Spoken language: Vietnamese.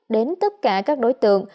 đến tất cả các đối tượng